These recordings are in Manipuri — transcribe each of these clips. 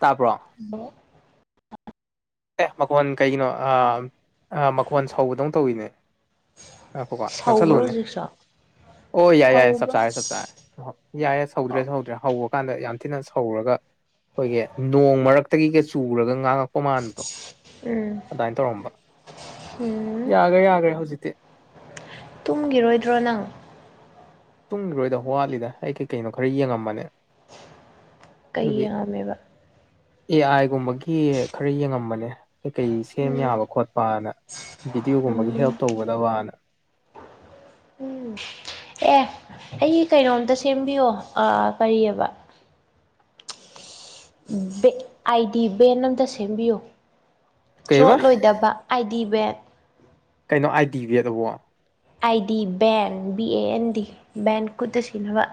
ꯇꯥꯕꯔꯣ ꯍꯜꯂꯣ ꯑꯦ ꯃꯈꯣꯟ ꯀꯩꯒꯤꯅꯣ ꯃꯈꯣꯟ ꯁꯧꯕꯗꯧ ꯇꯧꯋꯤꯅꯦ ꯀꯣ ꯁꯧꯕ꯭ꯔꯣ ꯅꯛꯁꯜꯂꯨꯅꯦ ꯍꯧꯖꯤꯛꯁꯨ ꯑꯣ ꯌꯥꯏ ꯌꯥꯏ ꯆꯞ ꯁꯧꯕ꯭ꯔꯣ ꯆꯥꯔꯦ ꯆꯞ ꯆꯥꯔꯦ ꯑꯣ ꯌꯥꯏꯦ ꯁꯧꯗ꯭ꯔꯦ ꯁꯧꯗ꯭ꯔꯦ ꯍꯧꯕ ꯀꯥꯟꯗ ꯌꯥꯝ ꯊꯤꯅ ꯁꯧꯔꯒ ꯑꯩꯈꯣꯏꯒꯤ ꯅꯣꯡ ꯃꯔꯛꯇꯒꯤꯒ ꯆꯨꯔꯒ ꯉꯥꯡꯉꯛꯄ ꯃꯥꯟꯕ ꯎꯝ ꯑꯗꯨꯃꯥꯏꯅ ꯇꯧꯔꯝꯕ ꯎꯝ ꯌꯥꯈ꯭ꯔꯦ ꯌꯥꯈ꯭ꯔꯦ ꯍꯧꯖꯤꯛꯇꯤ ꯇꯨꯝꯈꯤꯔꯣꯏꯗ꯭ꯔꯣ ꯅꯪ ꯇꯨꯝꯒꯤꫪꫭꯏꯗ ꯋꯥꯠꯂꯤꯗ ꯑꯩ ꯀꯩ ꯀꯩꯅꯣ ꯈꯔ ꯌꯦꯡꯉꯝꯕꯅꯦ ꯀꯩ ꯑꯗꯨꯒꯤ ꯌꯥꯝꯃꯦꯕ ꯑꯦ ꯑꯥꯏꯒꯨꯝꯕꯒꯤ ꯈꯔ ꯌꯦꯡꯉꯝꯕꯅꯦ ꯀꯩꯀꯩ ꯁꯦꯝ ꯎꯝ ꯌꯥꯕ ꯈꯣꯠꯄꯅ ꯚꯗꯤꯑꯣꯒꯨꯝꯕꯒꯤ ꯍꯦꯜꯞ ꯎꯝ ꯇꯧꯒꯗꯕꯅ ꯎꯝ ꯑꯦ ꯑꯩ ꯀꯩꯅꯣꯝꯇ ꯁꯦꯝꯕꯤꯌꯣ ꯑ ꯀꯔꯤꯑꯕ ꯕ‌ꯦꯛ ꯑꯥꯏ ꯗꯤ ꯕꯦꯟ ꯑꯝꯇ ꯁꯦꯝꯕꯤꯌꫭ ꯀꯩꯕ ꯆꯣꯠꯂꯣꯏꯗꯕ ꯑꯥꯏꯗꯤ ꯕ‌ꯦꯠ ꯀꯩꯅꯣ ꯑꯥꯏ ꯗꯤ ꯕꯦꯠ ꯑꯕꯣ I D band B A N D ꯕꯦꯟ ꯈꯨꯠꯇ ꯁꯤꯅꯕ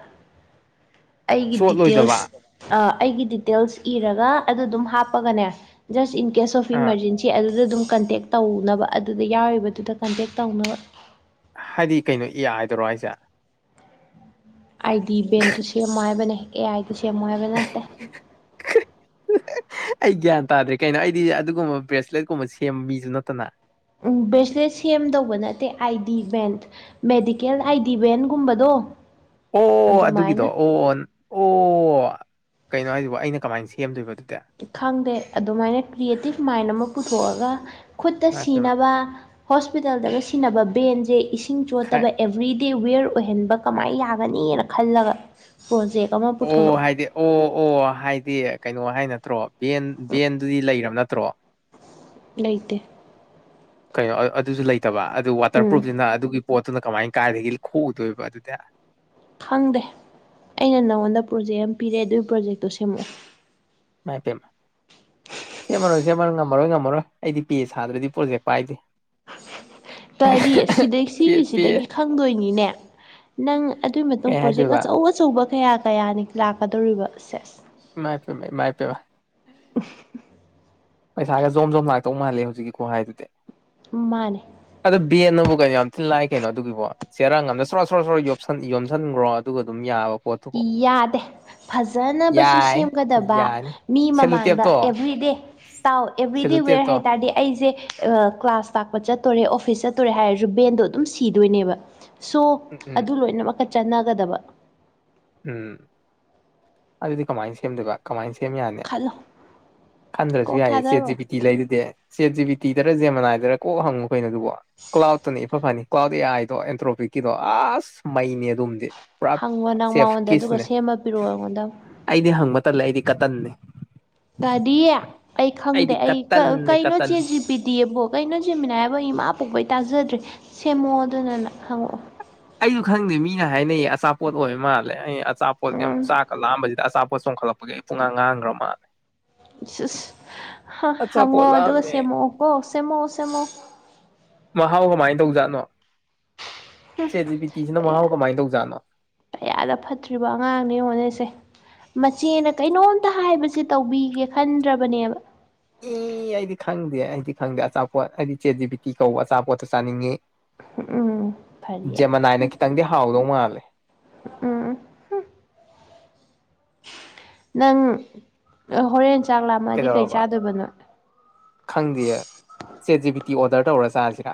ꯑꯩꯒꯤ ꯆꯣꯠꯂꯣꯏꯗꯕ ꯗꯤꯇꯦꯜꯁ ꯑ ꯑꯩꯒꯤ ꯗꯤꯇꯦꯜꯁ ꯏꯔꯒ ꯑꯗꯨ ꯑꯗꯨꯝ ꯍꯥꯞꯄꯒꯅꯦ just in case of uh emergency ꯇꯦ ꯑꯗꯨꯗ ꯑꯗꯨꯝ ꯀꯟꯇꯦꯛ ꯇꯧꯅꯕ ꯑꯗꯨꯗ ꯌꯥꯎꯔꯤꯕꯗꯨꯗ ꯀꯟꯇꯦꯛ ꯇꯧꯅꯕ ꯍꯥꯏꯗꯤ ꯀꯩꯅꯣ ꯑ‌ꯦ ꯑꯏ ꯗꯥꫪꫭ ꯍꯥꯏꯖ‌‌ꯦ ꯑꯥꯏ ꯗꯤ ꯕꯦꯟꯇꯨ ꯁꯦꯝꯃꯣ ꯍꯥꯏꯕꯅꯦ ꯑꯦ ꯑꯥꯏꯗꯨ ꯁꯦꯝꯃꯣ ꯍꯥꯏꯕ ꯅꯠ [unintelligible] [unintelligible] ꯑꯩ ꯒ꯭ꯌꯥꯟ ꯇꯥꯗ꯭ꯔꯦ ꯀꯩꯅꯣ ꯑꯩꯗꯤ ꯑꯗꯨꯒꯨꯝꯕ ꯕ꯭ꯔꯦꯁꯂꯦꯠꯀꯨꯝꯕ ꯁꯦꯝꯕ ꯃꯤꯁꯨ ꯅꯠꯇꯅ ꯕ꯭ꯔꯦꯁꯂꯦꯠ ꯁꯦꯝꯗꯧꯕ ꯅꯠꯇꯦ ꯑꯥꯏ ꯗꯤ ꯕꯦꯟ ꯃꯦꯗꯤꯀꯦꯜ ꯑꯥꯏꯗꯤꯚꯦꯟꯒꯨꯝꯕꯗꯣ ꯑꯣ ꯑꯗꯨꯒꯤꯗꯣ ꯑꯣ ꯑꯣ ꯀꯩꯅꯣ ꯍꯥꯏꯖꯤꯕꫭ ꯑꯩꯅ ꯀꯃꯥꯏꯅ ꯁꯦꯝꯗꯣꯏꯕ ꯑꯗꯨꯗꯤ ꯈꯪꯗꯦ ꯑꯗꯨꯃꯥꯏꯅ ꯀ꯭ꯔꯤꯌꯦꯇꯤꯞ ꯃꯥꯏꯟ ꯑꯃ ꯄꯨꯊꯣꯛꯑꯒ ꯈꯨꯠꯇ ꯏꯃꯥꯏꯄꯦꯝꯃ ꯁꯤꯅꯕ ꯍꯣꯁꯄꯤꯇꯥꯜꯗꯒ ꯁꯤꯟꯅꯕ ꯕꯦꯟꯁꯦ ꯏꯁꯤꯡ ꯆꯣꯠꯇꯕ ꯑꯦꯕ꯭ꯔꯤꯗꯦ ꯋꯤꯌꯔ ꯑꯣꯏꯍꯟꯕ ꯀꯃꯥꯏꯅ ꯌꯥꯒꯅꯤꯅ ꯈꯜꯂꯒ ꯐꫭꯟ ꯆ‌ꯦꯛ ꯑꯃ ꯑꯣ ꯄꯨꯊꯣꯔꯛꯑꯣ ꯍꯥꯏꯗꯤ ꯑꯣ ꯑꯣ ꯍꯥꯏꯗꯤ ꯀꯩꯅꯣ ꯍꯥꯏꯅ ꯅꯠꯇ꯭ꯔꯣ ꯚꯦꯟ ꯚꯦꯟꯗꯨꯗꯤ ꯂꯩꯔꯕ ꯅꯠꯇ꯭ꯔꯣ꯫ ꯂꯩꯇ‌ꯦ꯫ ꯀꯩꯅꯣ ꯑ ꯑꯗꯨꯁꯨ ꯂꯩꯇꯕ ꯑꯗꯨ ꯋꯥꯇꯔ ꯎꯝ ꯄ꯭ꯔꯨꯨꯞꯁꯤꯅ ꯑꯗꯨꯒꯤ ꯄꯣꯠꯇꯨꯅ ꯀꯃꯥꯏ ꯀꯥꯏꯗꯒꯤ ꯈꯣꯛꯎꯗꯣꯏꯕ ꯑꯗꯨꯗꯤ꯫ ꯈꯪꯗꯦ ꯑꯩꯅ ꯅꯪꯉꯣꯟꯗ ꯄ꯭ꯔꯣꯖꯦꯛ ꯑꯃ ꯄꯤꯔ‌ꯦ ꯑꯗꯨꯏ ꯄ꯭ꯔꯣꯖꯦꯛꯇꯣ ꯁꯦꯝꯃꯛꯑꯣ꯫ ꯏꯃꯥꯏ ꯄ‌ꯦꯝꯃꯥ꯫ ꯁ‌ꯦꯃꯔꯣꯏ ꯁꯦꯃꯔꯣꯏ ꯉꯝꯃꯔꯣꯏ ꯉꯝꯃꯔꯣꯏ ꯑꯩꯗꯤ ꯄ‌ꯦ ꯁꯥꯗ꯭ꯔꯗꯤ ꯄ꯭ꯔꯣꯖꯦꯛ ꯄꯥꯏꯗꯦ꯫ ꯀꯔꯤ ꯁꯤꯗꯩ ꯄꯦ ꯄꯦ ꯁꯤꯒꯤꯁꯤꯗꯒꯤ ꯈꯪꯗꯣꯏꯅꯤꯅꯦ꯫ ꯅꯪ ꯑꯗꯨꯒꯤ ꯃꯇꯨꯡ ꯀꯩ ꯄ꯭ꯔꯣꯖꯦꯛ ꯍꯥꯏꯗꯣꯏꯕ ꯑꯆꯧ ꯑꯆꯧꯕ ꯀꯌꯥ ꯀꯌꯥꯅꯤ ꯂꯥꯛꯀꯗꯧꯔꯤꯕ ꯁꯦꯁ ꯃꯥꯏ ꯄꯦꯝꯃ ꯏꯃꯥꯏ ꯄꯦꯝꯃ ꯄꯩꯁꯥꯒ ꯖꯣꯝ ꯖꯣꯝ ꯂꯥꯛꯇꯧ ꯃꯥꯂꯦ ꯍꯧꯖꯤꯛꯀꯤ ꯈꯨꯍꯥꯏꯗꯨꯗꯤ ꯃꯥꯅꯦ ꯑꯗꯣ ꯕꯦꯟꯅꯕꯨ ꯀꯩꯅꯣ ꯌꯥꯝ ꯊꯤꯅ ꯂꯥꯛꯏ ꯀꯩꯅꯣ ꯑꯗꯨꯒꯤꯕꯣ ꯆꯦꯔꯥꯡ ꯑꯝꯗ ꯁꯣꯔꯣ ꯁꯣꯔꯣ ꯁꯔꯣ ꯌꯣꯝꯁꯟ ꯌꯣꯝꯁꯟꯈꯒ꯭ꯔꯣ ꯑꯗꯨꯒ ꯑꯗꯨꯝ ꯌꯥꯕ ꯄꯣꯠꯇꯨꯕꯨ ꯏꯌꯥꯗꯦ ꯐꯖꯅꯕꯁꯨ ꯌꯥꯏ ꯁꯦꯝꯒꯗꯕ ꯌꯥꯅꯤ ꯃꯤ ꯁꯦꯂꯨ ꯃꯃꯥꯡꯗ ꯇꯦꯞꯇꯣ ꯑꯦꯕ꯭ꯔꯤꯗꯦ꯫ ꯇꯥꯎ ꯑꯦꯕ꯭ꯔꯤꯗꯦ ꯁꯦꯂꯨ ꯋꯦꯌꯔ ꯇꯦꯞꯇꯣ ꯍꯥꯏꯇꯥ ꯍꯥꯏꯗꯤ ꯑꯩꯖ‌ꯦ ꯑ ꯀ꯭ꯂꯥꯁ ꯇꯥꯛꯄ ꯆꯠꯇꯣꯔꯦ ꯑꯣꯐꯤꯁ ꯆꯠꯇꯣꯔꯦ ꯍꯥꯏꯔꯖꯨ ꯕꯦꯟꯗꯣ ꯑꯗꯨꯝ ꯁꯤꯗꯣꯏꯅꯦꯕ꯫ ꯁꯣ ꯎꯝ ꯎꯝ ꯑꯗꯨ ꯂꯣꯏꯅꯃꯛꯇ ꯆꯠꯅꯒꯗꯕ꯫ ꯎꯝ ꯑꯗꯨꯗꯤ ꯀꯃꯥꯏꯅ ꯁꯦꯝꯗꯣꯏꯕ꯫ ꯀꯃꯥꯏꯅ ꯁꯦꯝ ꯌꯥꯒꯦ ꯈꯜꯂꯣ ꯈꯟꯗ꯭ꯔꯁꯨ ꯀꯣꯛ ꯌꯥꯏꯌꯦ ꯊꯥꯗꯔꯛꯑꯣ ꯆꯦꯖꯤꯄꯤ ꯇꯤ ꯂꯩꯗꯨꯗꯤ ꯆ‌ꯦꯠ ꯖꯤꯕꯤ ꯇꯤꯗꯔ ꯖꯦꯃ ꯅꯥꯏꯗꯔ ꯀꯣꯛ ꯍꯪꯉꯨꯀꯩꯅꫭ ꯑꯗꯨꯕꫭ ꯀ꯭ꯂꯥꯎꯇꯅ ꯏꯐ ꯐꯅꯤ꯫ ꯀ꯭ꯂꯥꯎ ꯑ‌ꯦ ꯑꯥꯏꯗꯣ ꯑꯦꯟꯇ꯭ꯔꯣꯄꯤꯛꯀꯤꯗꯣ ꯑꯁ ꯃꯩꯅꯤ ꯑꯗꯨꯝꯗꯤ ꯄꯨꯔꯥ ꯍꯪꯉꯣ ꯅꯪ ꯆꯦꯐ ꯃꯉꯣꯟꯗ ꯑꯗꯨꯒ ꯀꯤꯁꯅꯦ ꯁꯦꯝꯃ ꯄꯤꯔꯑꯣ ꯑꯩꯉꯣꯟꯗ ꯑꯃꯨꯛ꯫ ꯑꯩꯗꯤ ꯍꯪꯕ ꯇꯜꯂ‌ꯦ ꯑꯩꯗꯤ ꯀꯇꯟꯅꯤ꯫ ꯀꯔꯤ ꯑꯩ ꯈꯪꯗꯦ ꯑꯩꯗꯤ ꯑꯩ ꯀ ꯀꯇꯟꯅꯦ ꯀꯩꯅꯣ ꯀꯇꯟ ꯆꯦꯠꯖꯤ ꯄꯤ ꯗꯤ ꯑꯦꯕꯣ ꯀꯩꯅꯣ ꯖꯦꯃꯤꯅꯥꯏ ꯍꯥꯏꯕꯣ ꯏꯃꯥ ꯄꯣꯛꯄꯩ ꯇꯥꯖꯗ꯭ꯔꯤ ꯁꯦꯝꯃꯛꯑꯣ ꯑꯗꯨꯅꯅ ꯅꯪ ꯍꯪꯉꯛꯑꯣ꯫ ꯑꯩꯁꯨ ꯈꯪꯗꯦ ꯃꯤꯅ ꯍꯥꯏꯅꯩꯌꯦ ꯑꯆꯥꯄꯣꯠ ꯑꯣꯏꯕ ꯃꯥꯜꯂꯦ ꯑꯩ ꯑꯆꯥꯄꯣꯠ ꯌꯥꯝ ꯎꯝ ꯆꯥꯛꯀ ꯂꯥꯝꯕꯁꯤꯗ ꯑꯆꯥꯄꯣꯠ ꯆꯣꯡꯈꯠꯂꯛꯄꯒꯤ ꯑꯩ ꯄꯨꯡꯉꯥꯡ ꯉꯥꯡꯈ꯭ꯔ ꯃꯥꯟꯂꯦ꯫ ꯏꯁ ꯍꯥ ꯑꯆꯥꯄꯣꯠ ꯍꯪꯉꯣꯑꯣ ꯑꯗꯨꯒ ꯂꯥꯝꯃꯦ ꯁꯦꯝꯃꯛꯑꯣ ꯀꯣ ꯁꯦꯝꯃꯛꯑꯣ ꯁꯦꯝꯃꯛꯑꯣ꯫ ꯃꯍꯥꯎ ꯀꯃꯥꯏꯅ ꯇꯧꯖꯥꯠꯅꯣ ꯆꯦꯠ ꯖꯤ ꯄꯤ ꯇꯤꯖꯤꯅ ꯀꯌꯥ ꯃꯍꯥꯎ ꯀꯃꯥꯏꯅ ꯇꯧꯖꯥꯠꯅꯣ꯫ ꯀꯌꯥꯗ ꯐꯠꯇ꯭ꯔꯤꯕ ꯑꯉꯥꯡꯅꯣ ꯌꯦꯡꯉꯨꯅꯦ ꯁꯦ꯫ ꯃꯆꯦꯅ ꯀꯩꯅꯣꯝꯇ ꯍꯥꯏꯕꯁꯦ ꯇꯧꯕꯤꯒꯦ ꯈꯟꯗ꯭ꯔꯕꯅꯦꯕ꯫ ꯏ ꯑꯩꯗꯤ ꯈꯪꯗꯦ ꯑꯩꯗꯤ ꯈꯪꯗꯦ ꯑꯆꯥꯄꯣꯠ ꯑꯩꯗꯤ ꯆꯦꯠ ꯖꯤ ꯕꯤ ꯇꯤ ꯀꯧꯕ ꯑꯆꯥꯄꯣꯠꯇꯣ ꯆꯥꯅꯤꯡꯉꯤ꯫ ꯎꯝ ꯐꯔꯤꯌꯦ ꯖꯦꯃꯅꯥꯏꯅ ꯈꯤꯇꯪꯗꯤ ꯍꯥꯎꯗꯧ ꯃꯥꯜꯂꯦ꯫ [unintelligible] ꯅꯪ ꯍꯣꯔꯦꯟ ꯆꯥꯛ ꯂꯥꯥꯝꯃꯛꯑꯗꯤ ꯀꯩ ꯀꯩꯗꯧꯔꯕ ꯆꯥꯗꯣꯏꯕꯅꯣꯏ꯫ ꯈꯪꯗꯦꯌꯦ ꯆꯦꯠ ꯖꯤ ꯕꯤꯇꯤ ꯑꯣꯔꯗꯔ ꯇꯧꯔ ꯆꯥꯖꯤꯔ꯫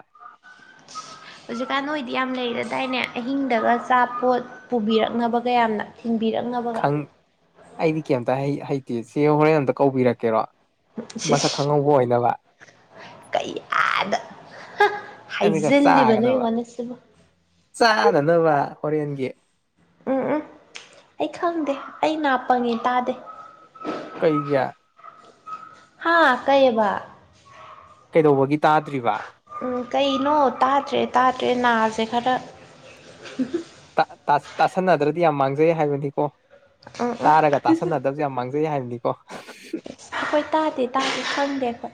ꯍꯧꯖꯤꯛꯀꯥꯟ ꯅꯣꯏꯗꯤ ꯌꯥꯝ ꯂꯩꯔꯗꯥꯏꯅꯦ ꯑꯍꯤꯡꯗꯒ ꯑꯆꯥꯄꯣꯠ꯫ ꯄꯨꯕꯤꯔꯛꯅꯕꯒ ꯌꯥꯝꯅ ꯊꯤꯟꯕꯤꯔꯛꯅꯕꯒ꯫ ꯅꯪ ꯑꯩꯗꯤ ꯀꯩꯝꯇ ꯍꯩ ꯍꯩꯇꯦ ꯆꯦ ꯍꯣꯔꯦꯟ ꯑꯝꯇ ꯀꯧꯕꯤꯔꯛꯀꯦꯔꯣ꯫ ꯏꯁ ꯃꯁꯛ ꯏꯁ ꯈꯪꯍꯧꯕ ꯑꯣꯏꯅꯕ꯫ ꯀꯌꯥꯗ ꯍ ꯑꯗꯨꯒ ꯍꯥꯏꯖꯤꯜꯂꯤꯕꯅꯣ ꯌꯦꯡꯉꯨꯅꯦꯁꯤꯕꯨ꯫ ꯆꯥꯟꯅꯅꯕ ꯍꯣꯔꯦꯟꯒꯤ꯫ ꯎꯝ ꯎꯝ ꯑꯩ ꯈꯪꯗꯦ ꯑꯩ ꯅꯥꯄꯪꯉꯤ ꯇꯥꯗꯦ꯫ ꯀꯩꯒꯤ꫰ ꯍꯥꯥ ꯀꯩꯑꯕ꯫ ꯀꯩꯗꯧꯕꯒꯤ ꯇꯥꯗ꯭ꯔꯤꯕ꯫ ꯎꯝ ꯀꯩꯅꯣ ꯇꯥꯗ꯭ꯔꯦ ꯇꯥꯗ꯭ꯔꯦ ꯅꯥꯖꯦ ꯈꯔ꯫ [unintelligible] ꯇꯥ ꯇꯥ ꯇꯥꯁꯟꯅꯗ꯭ꯔꯗꯤ ꯌꯥꯝ ꯃꯥꯡꯖꯩ ꯍꯥꯏꯕꯅꯤꯀꯣ ꯎꯝ ꯎꯝ ꯇꯥꯔꯒ ꯇꯥꯁꯟꯅꯗ [unintelligible] ꯌꯥꯝ ꯃꯥꯡꯖꯩ ꯍꯥꯏꯕꯅꯤꯀꯣ ꯑꯩꯈꯣꯏ ꯇꯥꯗꯦ ꯇꯥꯗꯦ ꯈꯪꯗꯦ ꯑꯩꯈꯣꯏ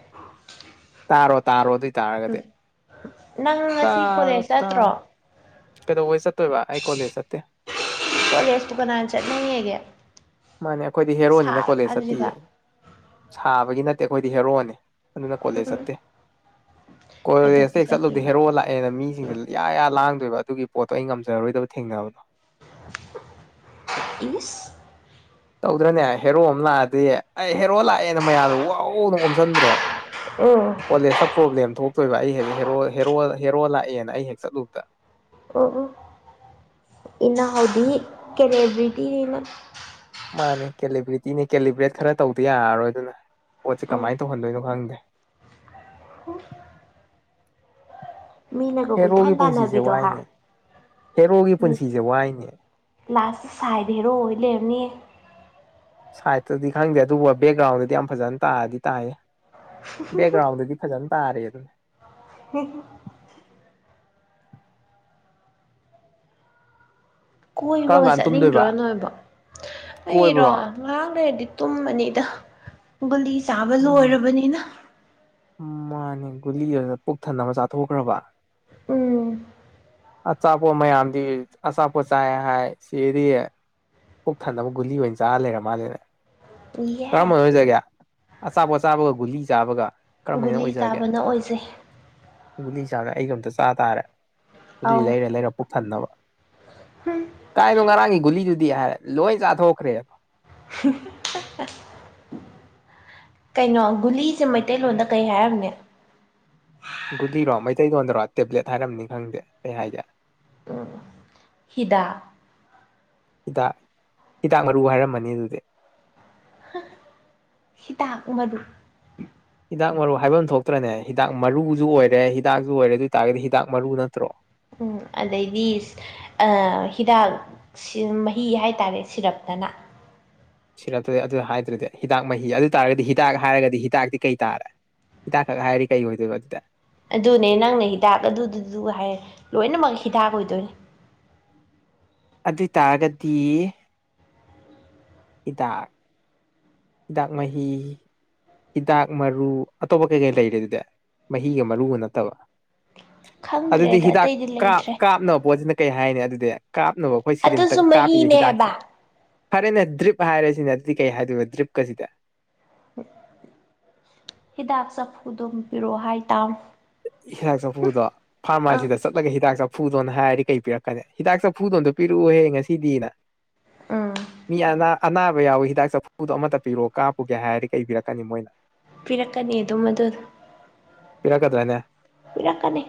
ꯇꯥꯔꯣ ꯇꯥꯔꯣ ꯑꯗꯨꯏ ꯇꯥꯔꯒꯗꯤ ꯎꯝ ꯅꯪ ꯉꯁꯤ ꯇꯥꯔꯣ ꯀꯣꯂꯦꯖ ꯆꯠꯇ꯭ꯔꯣ ꯇꯥꯔꯣ ꯀꯩꯗꯧꯕꯩ ꯆꯠꯇꯨꯏꯕ ꯑꯩ ꯀꯣꯂꯦꯁ ꯆꯠꯇꯦ ꯀꯣꯂꯦꯖꯄꯨ ꯀꯅꯥꯅ ꯆꯠꯅꯩ ꯍꯥꯏꯒꯦ ꯃꯥꯅꯦ ꯑꯩꯈꯣꯏꯗꯤ ꯍꯦꯔꯣꯅꯤꯅ ꯀꯣꯂꯦꯖ ꯆꯠꯇꯤꯌꯦ ꯀꯥꯟꯁꯤꯗ ꯁꯥꯕꯒꯤ ꯅꯠꯇꯦ ꯑꯩꯈꯣꯏꯗꯤ ꯍꯦꯔꯣꯅꯦ ꯑꯗꯨꯅ ꯀꯣꯂꯦꯖ ꯎꯝ ꯆꯠꯇꯦ ꯀꯣꯂꯦꯖꯇ ꯀꯩꯗꯧꯕꯩ ꯍꯦꯛ ꯆꯠꯂꯨꯕꯗ ꯆꯠꯇꯣꯏꯕ ꯍꯦꯔꯣ ꯂꯥꯛꯑꯦ ꯑꯩꯅ ꯃꯤꯁꯤꯡꯁꯤ ꯌꯥ ꯌꯥ ꯂꯥꯡꯗꯣꯏꯕ ꯑꯗꯨꯒꯤ ꯄꯣꯠꯇꯣ ꯑꯩ ꯉꯝꯖꯔꯔꯣꯏꯗꯕ ꯊꯦꯡꯅꯕꯗꯣ꯫ ꯏꯪꯂꯤꯁ꯫ ꯇꯧꯗ꯭ꯔꯅꯦ ꯍꯦꯔꯣ ꯑꯃ ꯂꯥꯛꯑꯗꯤ ꯑꯩ ꯍꯦꯔꯣ ꯂꯥꯛꯑꯦꯅ ꯃꯌꯥꯗꯣ ꯋꯥꯎꯅ ꯑꯣꯝꯁꯟꯗ꯭ꯔꯣ꯫ ꯎꯝ꯫ ꯀꯣꯂꯦꯖꯇ ꯄ꯭ꯔꯣꯕ꯭ꯂꯦꯝ ꯊꯣꯛꯇꯣꯏꯕ ꯑꯩ ꯍꯦꯛ ꯍꯦꯔꯣ ꯍꯦꯔꯣ ꯍꯦꯔꯣ ꯂꯥꯛꯑꯦꯅ ꯑꯩ ꯍꯦꯛ ꯆꯠꯂꯨꯕꯗ꯫ [unintelligible] ꯏꯟꯅꯥꯎꯍꯣꯏꯗꯤ ꯀꯅꯦꯕ꯭ꯔꯤꯇꯤꯅ꯫ ꯃꯥꯅꯦ ꯀꯦꯂꯤꯕ꯭ꯔꯤꯇꯤꯅꯦ ꯀꯦꯂꯤꯕ꯭ꯔꯦꯠ ꯈꯔ ꯇꯧꯗ ꯌꯥꯔꯔꯣꯏ ꯑꯗꯨꯅ ꯄꯣꯠꯁꯦ ꯎꯝ ꯀꯃꯥꯏꯅ ꯇꯧꯍꯟꯗꯣꯏꯅꯣ ꯈꯪꯗꯦ꯫ ꯃꯤꯅꯒ ꯀꯣꯏꯇꯥꯟ ꯍꯦꯔꯣꯒꯤ ꯄꯨꯟꯁꯤꯁꯦ ꯇꯥꯟꯅꯕꯤꯗꯣ ꯍꯥ ꯋꯥꯏꯅꯦ ꯍꯦꯔꯣꯒꯤ ꯄꯨꯟꯁꯤꯁꯦ ꯋꯥꯏꯅꯦ ꯂꯥꯁ ꯁꯥꯏꯗ ꯍꯦꯔꯣ ꯑꯣꯏ ꯂꯩꯔꯝꯅꯤ ꯁꯥꯏꯗꯇꯗꯤ ꯈꯪꯗꯦ ꯑꯗꯨꯕꯨ ꯕꯦꯛꯒ꯭ꯔꯥꯎꯟꯗꯗꯤ ꯌꯥꯝ ꯐꯖꯅ ꯇꯥꯔꯗꯤ ꯇꯥꯏꯌꯦ ꯕꯦꯛꯒ꯭ꯔꯥꯎꯟꯗꯗꯤ ꯐꯖꯅ ꯇꯥꯔꯦ ꯑꯗꯨ ꯍꯨ ꯀꯔꯝ ꯀꯣꯏꯕꯒ ꯀꯥꯟꯗ ꯇꯨꯝꯗꯣꯏꯕ ꯆꯠꯅꯤꯡꯗ꯭ꯔ ꯅꯣꯏꯕꯣ ꯑꯩꯔꯣ ꯀꯣꯏꯕ꯭ꯔꯣ ꯉꯔꯥꯡ ꯂꯩꯔꯗꯤ ꯇꯨꯝꯕꯅꯤꯗ ꯒꯨꯂꯤ ꯆꯥꯕ ꯎꯝ ꯂꯣꯏꯔꯕꯅꯤꯅ ꯃꯥꯅꯦ ꯒꯨꯂꯤ ꯑꯗꯨ ꯄꯨꯛ ꯊꯟꯅꯕ ꯆꯥꯊꯣꯛꯈ꯭ꯔꯕ ꯎꯝ ꯑꯆꯥꯄꯣꯠ ꯃꯌꯥꯝꯗꯤ ꯑꯆꯥꯄꯣꯠ ꯆꯥꯏ ꯍꯥꯏ ꯁꯤꯗꯤꯌꯦ ꯄꯨꯛ ꯊꯟꯅꯅꯕ ꯒꯨꯂꯤ ꯑꯣꯏꯅ ꯆꯥꯔ ꯂꯩꯔ ꯃꯥꯜꯂꯦꯅꯦ ꯀꯔꯝꯕꯅ ꯌꯦꯁ ꯑꯣꯏꯖꯒꯦ ꯑꯆꯥꯄꯣꯠ ꯆꯥꯕꯒ ꯒꯨꯂꯤ ꯆꯥꯕꯒ ꯀꯔꯝꯕꯥꯅ ꯍꯦꯟꯅ ꯒꯨꯂꯤ ꯑꯣꯏꯖꯒꯦ ꯆꯥꯕꯅ ꯑꯣꯏꯖꯩ ꯒꯨꯂꯤ ꯆꯥꯒ ꯑꯩꯒ ꯑꯝꯇ ꯆꯥ ꯇꯥꯔꯦ ꯒꯨꯂꯤ ꯑꯧ ꯂꯩꯔ ꯂꯩꯔ ꯄꯨꯛꯊꯟꯅꯕ ꯎꯝ ꯀꯥꯏꯅꯣ ꯉꯔꯥꯡꯒꯤ ꯒꯨꯂꯤꯗꯨꯗꯤ ꯍꯥꯏꯔꯦ ꯂꯣꯏ ꯆꯥꯊꯣꯛꯈ꯭ꯔꯦꯕ [unintelligible] ꯀꯩꯅꯣ ꯒꯨꯂꯤꯁꯦ ꯃꯩꯇꯩꯂꯣꯟꯗ ꯀꯩ ꯍꯥꯏꯔꯝꯅꯤ ꯒꯨꯂꯤꯔꯣ ꯃꯩꯇꯩꯂꯣꯟꯣꯟꯗꯔꯣ ꯇꯦꯕ꯭ꯂꯦꯠ ꯍꯥꯏꯔꯝꯅꯤ ꯈꯪꯗꯦ ꯀꯩ ꯍꯥꯏꯒꯦ ꯑ ꯍꯤꯗꯥꯛ ꯍꯤꯗꯥꯛ ꯍꯤꯗꯥꯛ ꯃꯔꯨ ꯍꯥꯏꯔꯝꯃꯅꯤ ꯑꯗꯨꯗꯤ ꯍꯤꯗꯥꯛ ꯃꯔꯨ ꯍꯤꯗꯥꯛ ꯃꯔꯨ ꯍꯥꯏꯕ ꯑꯃ ꯊꯣꯛꯇ꯭ꯔꯅꯦ ꯍꯤꯗꯥꯛ ꯃꯔꯨꯁꯨ ꯑꯣꯏꯔꯦ ꯍꯤꯗꯥꯛꯁꯨꯨ ꯑꯣꯏꯔꯦ ꯑꯗꯨ ꯑꯣꯏꯇꯥꯔꯒꯗꯤ ꯍꯤꯗꯥꯛ ꯃꯔꯨ ꯅꯠꯇ꯭ꯔꯣ ꯎ ꯑꯗꯩꯗꯤ ꯍꯤꯗꯥꯛ ꯃꯍꯤ ꯍꯥꯏꯇꯥꯔꯦ ꯁꯤꯔꯞꯇꯅ ꯁꯤꯔꯛꯇꯗꯤ ꯑꯗꯨ ꯍꯥꯏꯗ꯭ꯔꯗꯤ ꯍꯤꯗꯥꯛ ꯃꯍꯤ ꯑꯗꯨ ꯇꯥꯔꯒꯗꯤ ꯍꯤꯗꯥꯛ ꯍꯥꯏꯔꯒꯗꯤ ꯍꯤꯗꯥꯛꯇꯤ ꯀꯩ ꯇꯥꯔꯦ ꯍꯤꯥꯗꯥꯛꯈꯛ ꯍꯥꯏꯔꯗꯤ ꯀꯩ ꯑꯣꯏꯗꯣꯏꯕ ꯑꯗꯨꯗꯤ ꯑꯗꯨꯅꯦ ꯅꯪꯅ ꯍꯤꯗꯥꯛ ꯑꯗꯨꯗꯨꯗꯨ ꯍꯥꯏ ꯂꯣꯏꯅꯃꯛ ꯍꯤꯗꯥꯛ ꯑꯣꯏꯗꯣꯏꯅꯦ ꯑꯗꯨ ꯑꯣꯏꯇꯥꯔꯒꯗꯤ ꯍꯤꯗꯥꯛ ꯍꯤꯗꯥꯛ ꯃꯍꯤ ꯍꯤꯗꯥꯛ ꯃꯔꯨ ꯑꯇꯣꯞꯄ ꯀꯩꯀꯩ ꯂꯩꯔꯦ ꯑꯗꯨꯗꯤ ꯃꯍꯤꯒ ꯃꯔꯨꯒ ꯅꯠꯇꯕ ꯑꯗꯨꯗꯤ ꯈꯪꯗ꯭ꯔꯦꯗ ꯑꯇꯩꯗꯤ ꯍꯤꯗꯥꯛꯥꯞ ꯂꯩꯇ꯭ꯔꯦ ꯀꯥꯞꯅꯕ ꯄꯣꯠꯁꯤꯅ ꯀꯩ ꯍꯥꯏꯅꯤ ꯑꯗꯨꯗꯤ ꯀꯥꯞꯅꯕ ꯑꯩꯈꯣꯏ ꯁꯤꯔꯤꯟꯇꯡ ꯑꯗꯨꯁꯨ ꯀꯥꯞꯄꯤꯕ ꯃꯍꯤꯅꯦ ꯍꯥꯏꯕ ꯍꯤꯗꯥꯛꯇꯤ ꯐꯔꯦꯅꯦ ꯗ꯭ꯔꯤꯞ ꯍꯥꯏꯔꯦꯁꯤꯅꯦ ꯑꯗꯨꯗꯤ ꯀꯩ ꯍꯥꯏꯗꯣꯏꯕ ꯗ꯭ꯔꯤꯞꯀꯁꯤꯗꯤ ꯍꯤꯗꯥꯛ ꯆꯐꯨꯗꯣ ꯄꯤꯔꯛꯑꯣ ꯍꯥꯏꯇꯥꯃꯤ ꯍꯤꯗꯥꯛ ꯆꯐꯨꯗꯣ ꯑꯥ ꯐꯥꯔꯃꯥꯁꯤꯗ ꯆꯠꯂꯒ ꯍꯤꯗꯥꯛ ꯆꯐꯨꯗꯣꯅ ꯍꯥꯏꯔꯗꯤ ꯀꯩ ꯄꯤꯔꯛꯀꯅꯤ ꯍꯤꯗꯥꯛ ꯆꯐꯨꯗꯣ ꯑꯝꯇꯥ ꯄꯤꯔꯛꯎꯍꯦ ꯉꯁꯤꯗꯤꯅ ꯎꯝ ꯃꯤ ꯑꯅꯥ ꯑꯅꯥꯕ ꯌꯥꯎꯋꯤ ꯍꯤꯗꯥꯛ ꯆꯐꯨꯗꯣ ꯑꯃꯠꯇ ꯄꯤꯔꯣ ꯀꯥꯞꯄꯨꯒꯦ ꯍꯥꯏꯔꯗꯤ ꯀꯩꯄꯤꯔꯛꯀꯅꯤ ꯃꯣꯏꯅ ꯄꯤꯔꯛꯀꯅꯤ ꯑꯗꯨꯝ ꯑꯗꯨꯗꯣ ꯄꯤꯔꯛꯀꯗ꯭ꯔꯥꯅꯦ ꯄꯤꯔꯛꯀꯅꯤ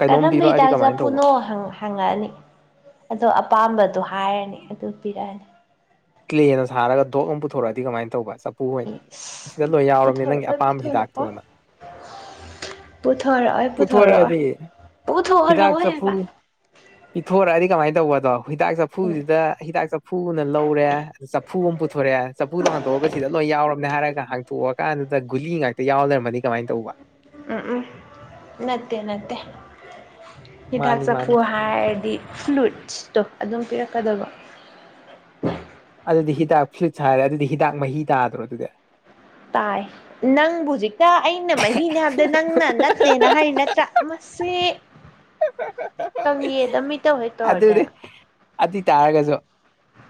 ꯀꯩꯅꯣꯝ ꯀꯔꯝꯕ ꯄꯤꯔꯛꯑꯗꯤ ꯍꯤꯗꯥꯛ ꯀꯃꯥꯏꯅ ꯇꯧꯕ ꯆꯥꯐꯨꯅꯣ ꯍꯪꯉꯛꯑꯥ ꯍꯪꯉꯛꯑꯅꯤ ꯑꯗꯣ ꯑꯄꯥꯝꯕꯗꯣ ꯍꯥꯏꯔꯅꯤ ꯑꯗꯨ ꯄꯤꯔꯛꯑꯅꯤ ꯀ ꯀ꯭ꯂꯦꯅ ꯁꯥꯔꯒ ꯗꯣꯣꯛ ꯑꯃ ꯄꯨꯊꯣꯔꯛꯑꯗꯤ ꯀꯃꯥꯏꯅ ꯇꯧꯕ ꯎꯄꯨ ꯑꯣꯏꯅ ꯁꯤꯗ ꯂꯣꯏ ꯌꯥꯎꯔꯕꯅꯤ ꯅꯪꯒꯤ ꯄꯨꯊꯣꯔꯛꯑꯣꯏ ꯑꯄꯥꯝꯕ ꯄꯨꯊꯣꯔꯛꯑꯣꯏ ꯍꯤꯗꯥꯛꯇꯣꯅ ꯄꯨꯊꯔꯗꯤ ꯄꯨꯊꯣꯔꯛꯑꯣꯏ ꯄꯨꯊꯣꯔꯛꯑꯣꯏ ꯍꯤꯗꯥꯛ ꯄꯨꯊꯣꯛꯑꯔꯣꯏ ꯆ ꯐꯨ ꯍꯥꯏꯕ ꯄꯤꯊꯣꯔꯛꯑꯗꯤ ꯀꯃꯥꯏꯅ ꯇꯧꯕꯗꯣ ꯍꯤꯗꯥꯛ ꯎꯝ ꯆꯐꯨꯁꯤꯗ ꯍꯤꯗꯥꯛ ꯆꯐꯨꯅ ꯂꯧꯔꯦ ꯆꯐꯨ ꯑꯃ ꯄꯨꯊꯣꯔꯛꯑꯦ ꯆꯐꯨꯗꯣ ꯍꯥꯡꯇꯣꯛꯑꯒ ꯁꯤꯗ ꯂꯣꯏ ꯌꯥꯎꯔꯕꯝꯅꯦ ꯍꯥꯏꯔꯒ ꯍꯥꯡꯇꯣꯛꯑꯀꯥꯟꯗꯨꯗ ꯒꯨꯂꯤ ꯉꯥꯛꯇ ꯑ ꯌꯥꯎꯗꯔꯝꯃꯅꯤ ꯀꯃꯥꯏꯅ ꯇꯧꯕ ꯎꯝ ꯎꯝ ꯅꯠꯇꯦ ꯅꯠꯇꯦ ꯍꯤꯗꯥꯛ ꯃꯥꯅꯤ ꯃꯥꯅꯤ ꯆꯐꯨꯋꯥ ꯍꯥꯏꯗꯤ ꯐ꯭ꯂꯨꯏꯠꯁꯇꯣ ꯑꯗꯨꯝ ꯄꯤꯔꯛꯀꯗꯧꯕ ꯑꯗꯨꯗꯤ ꯍꯤꯗꯥꯛ ꯐ꯭ꯔꯤꯠ ꯍꯥꯏꯔꯦ ꯑꯗꯨꯗꯤ ꯍꯤꯗꯥꯛ ꯃꯍꯤ ꯇꯥꯗ꯭ꯔꯣ ꯑꯗꯨꯗꯤ ꯇꯥꯏ ꯅꯪꯕꯨ ꯍꯧꯖꯤꯛꯇ ꯑꯩꯅ ꯃꯍꯤꯅꯦ ꯍꯥꯏꯕꯗ ꯅꯪꯅ ꯅꯠꯇꯦꯅ ꯍꯥꯏꯔꯤ ꯅꯠꯇ꯭ꯔꯥ ꯃꯁꯤ ꯀꯪꯌꯦꯠ ꯑꯃꯥ ꯏꯇꯧ ꯍꯦꯛ ꯇꯧꯔꯗꯥꯅ ꯑꯗꯨ ꯑꯣꯏꯇꯥꯔꯒꯁꯨ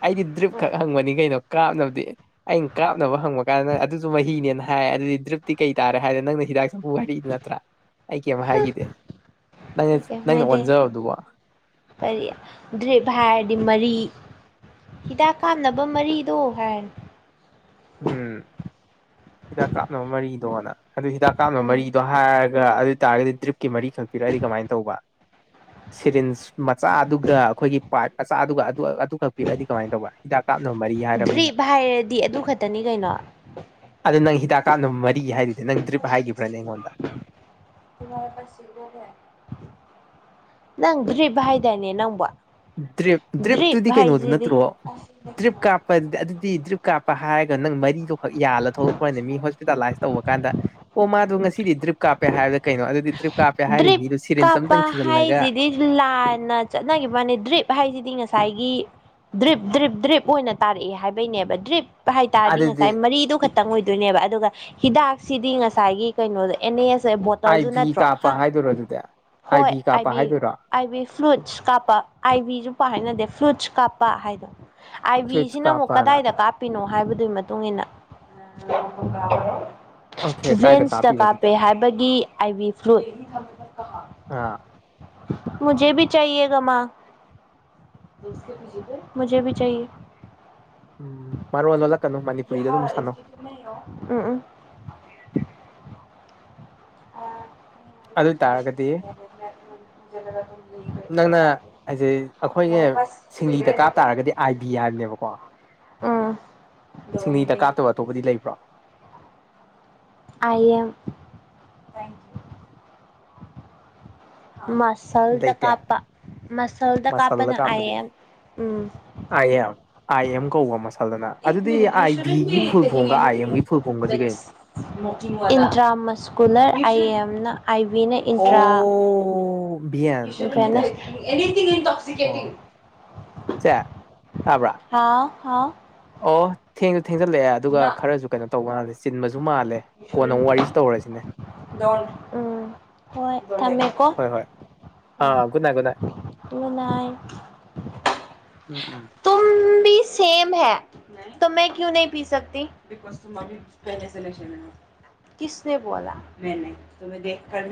ꯑꯩꯗꯤ ꯗ꯭ꯔꯤꯞ ꯑꯣ ꯈꯛ ꯍꯪꯕꯅꯤ ꯀꯩꯅꯣ ꯀꯥꯞꯅꯕꯗꯤ ꯑꯩꯅ ꯀꯥꯞꯅꯕ ꯍꯪꯕ ꯀꯥꯟꯗ ꯅꯪ ꯑꯗꯨꯁꯨ ꯃꯍꯤꯅꯦꯅ ꯍꯥꯏ ꯑꯗꯨꯗꯤ ꯗ꯭ꯔꯤꯞꯇꯤ ꯀꯩ ꯇꯥꯔꯦ ꯍꯥꯏꯔꯦ ꯅꯪꯅ ꯍꯤꯗꯥꯛ ꯋꯥꯔꯤ ꯅꯠꯇ꯭ꯔꯥ ꯑꯩꯀꯩꯝ ꯍꯥꯏꯒꯤꯗꯦ ꯀꯩꯝ ꯍꯥꯏꯗꯦ ꯀꯔꯤ ꯗ꯭ꯔꯔꯤꯞ ꯍꯥꯏꯔꯗꯤ ꯃꯔꯤ ꯍꯤꯗꯥꯛ ꯀꯥꯞꯅꯕ ꯃꯔꯤꯗꯣ ꯍꯥꯏ ꯎꯝ ꯍꯤꯗꯥꯛ ꯀꯥꯞꯅꯕ ꯃꯔꯤꯗꯣꯅ ꯑꯗꯨ ꯍꯤꯗꯥꯛ ꯀꯥꯞꯅꯕ ꯎꯝ ꯃꯔꯤꯗꯣ ꯍꯥꯏꯔꯒ ꯑꯗꯨꯇꯥꯥꯔꯒꯗꯤ ꯗ꯭ꯔꯤꯞꯀꯤ ꯃꯔꯤꯈꯛ ꯄꯤꯔꯛꯑꯗꯤ ꯀꯃꯥꯏꯅ ꯇꯧꯕ ꯁꯤꯔꯤꯟꯁ ꯃꯆꯥꯗꯨꯒ ꯑꯩꯈꯣꯏꯒꯤ ꯄꯥꯏꯞ ꯃꯆꯥꯗꯨꯒ ꯑꯗꯨ ꯑꯗꯨ ꯈꯛ ꯄꯤꯔꯛꯑꯗꯤ ꯀꯃꯥꯏꯅ ꯇꯧꯕ ꯍꯤꯗꯥꯛ ꯀꯥꯞꯅ ꯗ꯭ꯔꯤꯞ ꯍꯥꯏꯔꯗꯤ ꯑꯗꯨ ꯈꯛꯇꯅꯤ ꯀꯩꯅꯣ ꯑꯗꯨ ꯅꯪ ꯍꯤꯗꯥꯛ ꯀꯥꯞꯅꯕ ꯃꯔꯤ ꯍꯥꯏꯔꯤꯗꯨꯗꯤ ꯅꯪ ꯗ꯭ꯔꯤꯞ ꯍꯥꯏꯈꯤꯕ꯭ꯔꯅꯦ ꯑꯩꯉꯣꯟꯗ [unintelligible] ꯅꯪ ꯗꯔ꯭ꯤꯞ ꯍꯥꯏꯗꯅꯦ ꯅꯡꯕꯣ ꯗ꯭ꯔꯤꯞ ꯗ꯭ꯔꯤꯞꯇꯨꯗꯤ ꯀꯩꯅꯣꯗꯨ ꯅꯠꯇ꯭ꯔꯣ ꯗ꯭ꯔꯤꯞ ꯀꯥꯞ ꯗꯤ ꯑꯗꯨꯗꯤ ꯗ꯭ꯔꯤꯞ ꯀꯥꯞꯄ ꯍꯥꯏꯔꯒ ꯅꯪ ꯃꯔꯤꯗꯣ ꯌꯥꯜꯂ ꯊꯣꯛꯂꯛꯄ꯭ꯔꯅꯦ ꯃꯤ ꯍꯣꯁꯄꯤꯇꯥꯂꯥꯏꯁ ꯇꯧꯕ ꯀꯥꯟꯗ ꯑꯣ ꯃꯥꯗ ꯉꯁꯤꯗꯤ ꯗ꯭ꯔꯤꯞ ꯀꯥꯞꯄꯦ ꯍꯥꯏꯗ ꯀꯩꯅꯣ ꯑꯗꯨꯗꯤ ꯗ꯭ꯔꯤ ꯀꯥꯞꯄꯦ ꯍꯥꯏꯔꯤ ꯗ꯭ꯔꯤꯞ ꯃꯤꯗꯨ ꯁꯤꯔꯦꯟꯁ ꯑꯝꯇꯪ ꯀꯥꯞꯄ ꯊꯤꯖꯤꯜꯂꯒ ꯍꯥꯏꯁꯤꯗꯤ ꯂꯥꯟꯅ ꯆꯠꯅꯒꯤꯈꯤꯕꯩꯋꯥꯅꯤ ꯗ꯭ꯔꯤꯞ ꯍꯥꯏꯁꯤꯗꯤ ꯉꯁꯥꯏꯒꯤ ꯗ꯭ꯔꯤꯞ ꯗ꯭ꯔꯤꯞ ꯗ꯭ꯔꯤꯞ ꯑꯣꯏꯅ ꯇꯥꯔꯛꯑꯦ ꯍꯥꯏꯕꯩꯅꯦꯕ ꯗ꯭ꯔꯤꯞ ꯍꯥꯏ ꯇꯥꯔꯗꯤ ꯑꯗꯨꯗꯤ ꯉꯁꯥꯏ ꯃꯔꯤꯗ ꯈꯛꯇꯪ ꯑꯣꯏꯗꯣꯏꯅꯦꯕ ꯑꯗꯨꯒ ꯍꯤꯗꯥꯛꯁꯤꯗꯤ ꯉꯁꯥꯏꯒꯤ ꯀꯩꯅꯣꯁꯦ ꯑꯦꯅꯦꯁꯦ ꯕꯣꯇꯜꯗꯨ ꯅꯠꯇ꯭ꯔꯣ ꯍꯥ ꯍꯥꯏ ꯗꯣꯏꯔꯣ ꯑꯗꯨꯗ ꯍꯣꯏ ꯑꯕꯤ ꯑꯥꯏꯕꯤ ꯐ꯭ꯂꯨꯏꯠꯁ ꯀꯥꯞꯄ ꯑꯥꯏꯕꯤꯁꯨꯄ ꯍꯥꯏꯅꯗꯦ ꯐ꯭ꯂꯨꯠꯁ ꯀꯥꯞꯄ ꯍꯥꯏꯗꯣ ꯐ꯭ꯂꯨꯏꯠꯁ ꯑꯥꯏꯕꯤꯁꯤꯅ ꯑꯃꯨꯛ ꯀꯥꯞꯄꯅ ꯀꯗꯥꯏꯗ ꯀꯥꯞ ꯄꯤꯅꯣ ꯍꯥꯏꯕꯗꯨꯒꯤ ꯃꯇꯨꯡ ꯏꯟꯅ ꯑꯣꯀꯦ ꯀꯥꯏꯗ ꯚꯦꯟꯁꯇ ꯀꯥꯞꯄꯤꯕ ꯑꯗꯨꯗꯤ ꯀꯥꯞꯄꯦ ꯍꯥꯏꯕꯒꯤ ꯑꯥꯏꯕꯤ ꯐ꯭ꯂꯨ ꯑꯥ [unintelligible] [unintelligible] ꯎꯝ ꯃꯔꯣꯟ ꯂꯣꯜꯂꯛꯀꯅꯨ ꯃꯅꯤꯄꯨꯔꯤꯗ ꯑꯗꯨꯝ ꯁꯥꯟꯅꯧ ꯎꯝ ꯎꯝ ꯑꯗꯨ ꯑꯣꯏꯇꯥꯔꯒꯗꯤ ꯑꯗꯨ ꯅꯪꯅ ꯍꯥꯏꯁꯦ ꯑꯩꯈꯣꯏꯅꯦ ꯁꯤꯡꯂꯤꯗ ꯀꯥꯞ ꯇꯥꯔꯒꯗꯤ ꯑꯥꯏꯕꯤ ꯍꯥꯏꯕꯅꯦꯕꯀꯣ ꯀꯣ ꯎꯝ ꯑꯇꯣꯧꯕꯗꯤ ꯂꯩ꯭ꯔꯥ ꯑꯥꯏ ꯑꯦꯝ ꯃꯁꯜꯗ ꯂꯩꯇꯦ ꯀꯥꯞꯄ ꯃꯁꯜꯗ ꯀꯥꯞꯄꯅ ꯑꯏ ꯑꯦꯃ ꯎꯝ ꯑꯏ ꯑꯦꯝ ꯑꯥꯏ ꯑꯦꯝ ꯀꯧꯕ ꯃꯁꯥ ꯑꯗꯨꯗꯤ ꯑꯥꯏ ꯚꯤꯒꯤ ꯐꯨꯜ ꯐꯣꯡꯕ ꯑꯥꯏ ꯑꯦꯝꯒꯤ ꯐꯨꯜ ꯐꯣꯡꯒꯁꯤ ꯀꯩꯅꯣ ꯏꯟꯇ꯭ꯔꯥꯃꯁꯀꯨꯂꯔ ꯑꯥꯏ ꯑꯦꯝꯅ ꯑꯥꯏ ꯕꯤꯅ ꯑꯣ ꯕꯤꯟ ꯑꯗꯨꯗ ꯑꯣ ꯆꯦ ꯇꯥꯕ꯭ꯔꯥ ꯍꯥꯎ ꯍꯥꯎ ꯑꯣ ꯊꯦꯡꯁꯨ ꯊꯦꯡꯖꯜꯂꯛꯑꯦ ꯑꯗꯨꯒ ꯈꯔꯁꯨ ꯀꯩꯅꯣ ꯇꯧꯜꯂꯦ ꯆꯤꯟꯕꯁꯨ ꯃꯥꯜꯂꯦ ꯀꯣꯟꯅ ꯑꯃꯛ ꯋꯥꯔꯤꯁꯨꯦ ꯇꯧꯔꯁꯤꯅꯦ ꯎꯝ ꯍꯣꯏ ꯊꯝꯃꯦꯀꯣ ꯍꯣꯏ ꯍꯣꯏ ꯑꯥ good night good night good night um um ꯇꯨꯕꯤ ꯁꯦꯃ ꯍ ꯇ ꯃ ꯀꯨ ꯅ ꯄꯤ ꯁꯛ ꯃ ꯄꯂꯦ ꯁꯂꯦꯛꯁꯟ ꯀꯁꯅꯦ ꯣꯂ ꯃꯦꯅꯦ ꯇꯨꯦ ꯗꯦꯔ ꯃꯤ